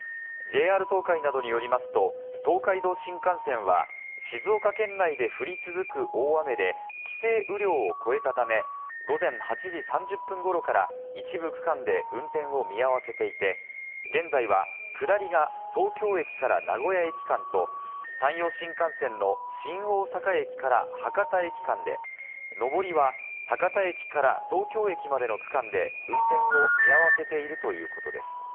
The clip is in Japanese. ＪＲ東海などによりますと、東海道新幹線は静岡県内で降り続く大雨で規制雨量を超えたため、午前８時３０分ごろから一部区間で運転を見合わせていて、現在は下りが東京駅から名古屋駅間と山陽新幹線の新大阪駅から博多駅間でのぼりは博多駅から東京駅までの区間で運転を見合わせているということです。